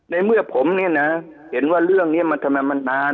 ในเมื่อผมเนี่ยนะเห็นว่าเรื่องนี้มันทำไมมันนาน